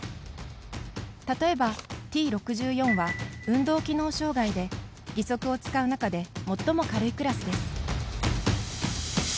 例えばＴ６４は運動機能障がいで義足を使う中で最も軽いクラスです。